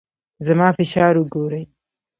زما فشار وګورئ.